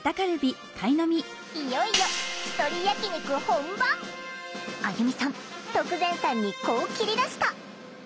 いよいよあゆみさん徳善さんにこう切り出した。